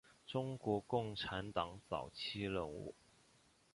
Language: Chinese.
中国共产党早期人物。